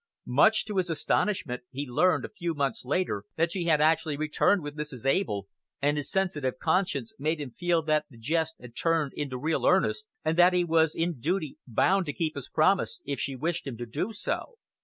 Much to his astonishment, he learned, a few months later, that she had actually returned with Mrs. Able, and his sensitive conscience made him feel that the jest had turned into real earnest, and that he was in duty bound to keep his promise if she wished him to do so.